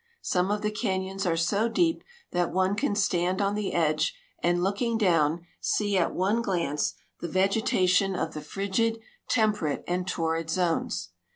Some of the canyons are so deep that one can stand on the edge and, looking down, see at one glance the vegetation of the frigid, temperate, and torrid zones.